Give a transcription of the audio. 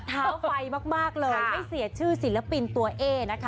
เท้าไฟมากเลยไม่เสียชื่อศิลปินตัวเอ๊นะคะ